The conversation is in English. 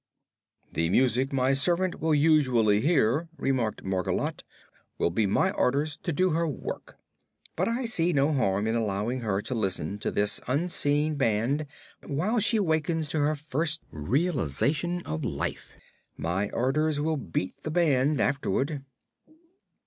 "The music my servant will usually hear," remarked Margolotte, "will be my orders to do her work. But I see no harm in allowing her to listen to this unseen band while she wakens to her first realization of life. My orders will beat the band, afterward."